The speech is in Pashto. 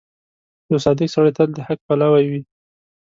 • یو صادق سړی تل د حق پلوی وي.